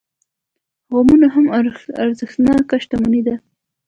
غمونه هم ارزښتناکه شتمني ده.